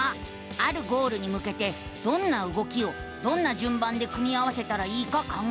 あるゴールにむけてどんな動きをどんなじゅんばんで組み合わせたらいいか考える。